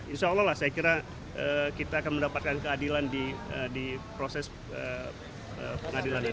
insya allah lah saya kira kita akan mendapatkan keadilan di proses pengadilan itu